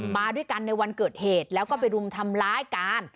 มาด้วยกันในวันเกิดเหตุแล้วก็ไปรุมทำร้ายการ